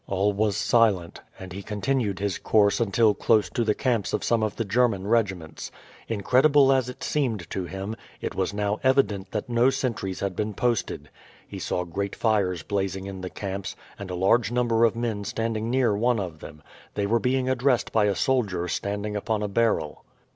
All was silent, and he continued his course until close to the camps of some of the German regiments. Incredible as it seemed to him, it was now evident that no sentries had been posted. He saw great fires blazing in the camps, and a large number of men standing near one of them; they were being addressed by a soldier standing upon a barrel.